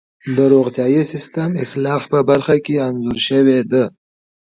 د روغتیايي سیستم اصلاح په برخه کې انځور شوې ده.